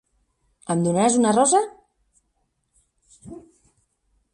Em donaràs una rosa?